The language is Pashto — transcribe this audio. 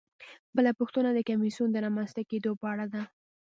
بله پوښتنه د کمیسیون د رامنځته کیدو په اړه ده.